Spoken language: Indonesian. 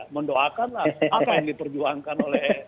mendoakanlah apa yang diperjuangkan oleh